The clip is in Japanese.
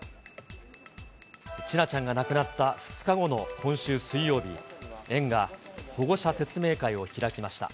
千奈ちゃんが亡くなった２日後の今週水曜日、園が保護者説明会を開きました。